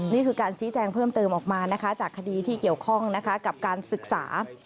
นี่คือการชี้แจงเพิ่มเติมออกมานะคะจากคดีที่เกี่ยวข้องนะคะกับการศึกษา